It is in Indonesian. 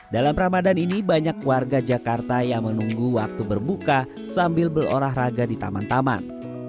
dalam ramadan ini banyak warga jakarta yang menunggu waktu berbuka sambil berolahraga di taman taman